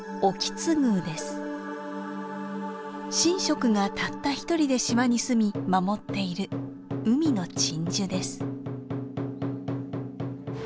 神職がたった一人で島に住み守っている海の鎮守です。